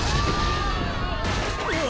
うわ。